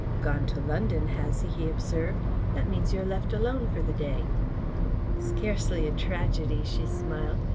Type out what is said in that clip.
"Gone to London, has he?" he observed. "That means that you're left alone for the day." "Scarcely a tragedy," she smiled.